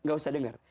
gak usah denger